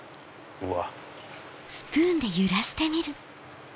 うわ！